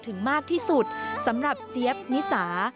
ถึงมากที่สุดสำหรับเจี๊ยบนิสา